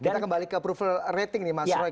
kita kembali ke approval rating nih mas roy